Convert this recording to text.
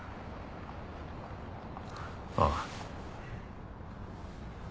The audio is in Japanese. ああ。